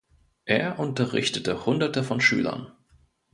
Er unterrichtete Hunderte von Schülern.